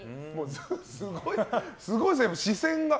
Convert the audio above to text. すごいですね、視線が。